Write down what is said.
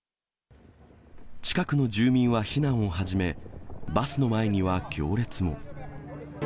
近くの住民は避難を始め、バスの前には行列も。